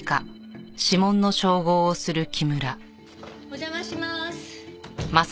お邪魔します！